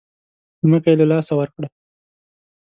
ځمکه یې له لاسه ورکړه.